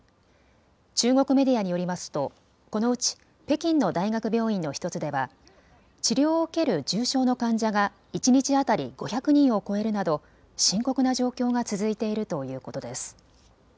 中国メディアによりますとこのうち北京の大学病院の１つでは治療を受ける重症の患者が一日当たり５００人を超えるなど深刻な状況が続いているということです。